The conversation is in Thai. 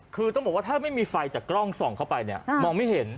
คือต้องบอกว่าถ้าไม่มีไฟจากกล้องส่องเข้าไปเนี่ยมองไม่เห็น